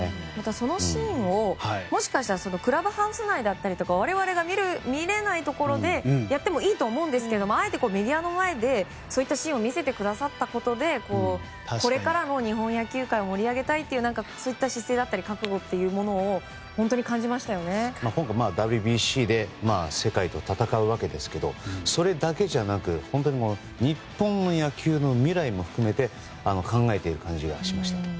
そのシーンをもしかしたらクラブハウス内だったり我々が見れないところでやってもいいと思うんですがあえてメディアの前でそういったシーンを見せてくださったことでこれからの日本野球界を盛り上げたいというそういった姿勢だったり覚悟だったりを今回ＷＢＣで世界と戦うわけですがそれだけじゃなく日本の野球の未来も含めて考えている感じがしました。